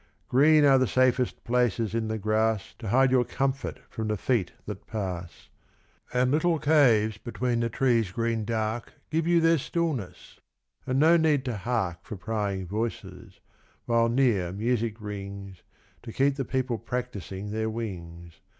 Green are the safest places in the grass To hide your comfort from the feet that pass, And little caves between the trees' green dark Give you their stillness, and no need to hark For prying voices, while near music rings To keep the people practising their wings.